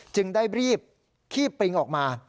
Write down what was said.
จึงได้รีบขี้ปริงออกมา